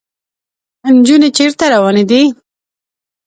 انجونې چېرته روانې دي ؟